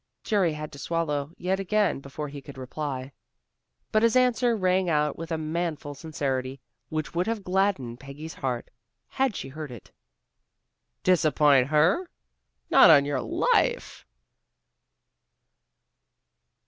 Jerry had to swallow yet again before he could reply. But his answer rang out with a manful sincerity which would have gladdened Peggy's heart had she heard it. "Disappoint her! Not on your life!"